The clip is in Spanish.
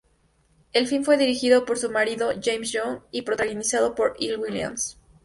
El film fue dirigido por su marido James Young y co-protagonizado por Earle Williams.